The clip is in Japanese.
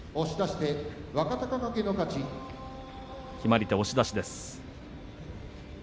決まり手、押し出しです。